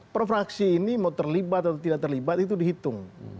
per fraksi ini mau terlibat atau tidak terlibat itu dihitung